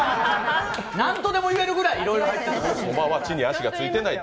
何とでも言えるぐらいいろいろ入ってる。